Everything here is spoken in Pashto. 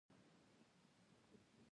تر ټولو ستر او ویاړلی هویت افغانستان دی.